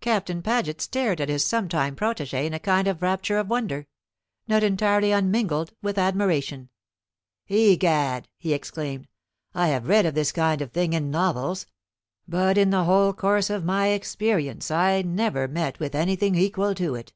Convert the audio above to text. Captain Paget stared at his sometime protégé in a kind of rapture of wonder, not entirely unmingled with admiration. "Egad!" he exclaimed, "I have read of this kind of thing in novels; but in the whole course of my experience I never met with anything equal to it.